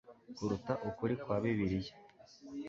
kuruta ukuri kwa Bibiliya